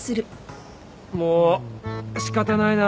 もう仕方ないな。